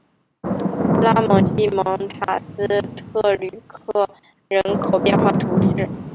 拉蒙济蒙塔斯特吕克人口变化图示